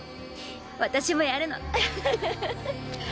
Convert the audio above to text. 私もやるの。